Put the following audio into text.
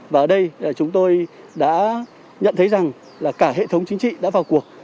và ở đây chúng tôi đã nhận thấy rằng là cả hệ thống chính trị đã vào cuộc